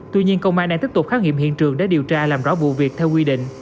tuy nhiên công an đang tiếp tục kháng nghiệm hiện trường để điều tra làm rõ vụ việc theo quy định